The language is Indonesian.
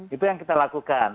itu yang kita lakukan